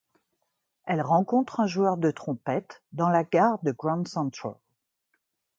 Elle rencontre un joueur de trompette dans la gare de Grand Central.